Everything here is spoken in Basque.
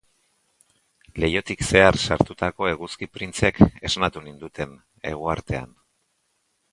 Leihotik zehar sartutako eguzki printzek esnatu ninduten eguartean.